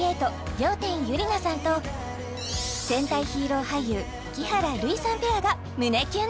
行天優莉奈さんと戦隊ヒーロー俳優木原瑠生さんペアが胸キュン